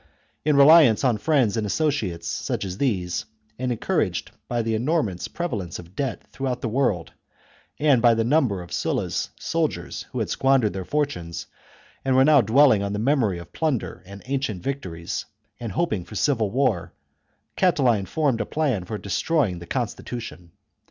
In re liance on friends and associates such as these, and encouraged by the enormous prevalence of debt throughout the world, and by the number of Sulla's soldiers who had squandered their fortunes, and were now dwelling on the memory of plunder and ancient victories, and hoping for civil war, Catiline formed a plan for destroying the constitution.